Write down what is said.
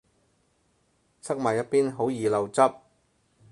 側埋一邊好易漏汁